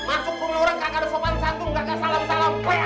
masuk ke rumah orang gak ada sopan satu gak ada salam salam